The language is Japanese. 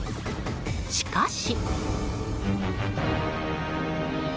しかし。